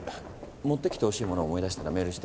持ってきてほしいものを思い出したらメールして。